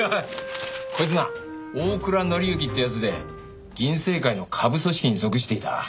こいつな大倉則之っていう奴で銀星会の下部組織に属していた。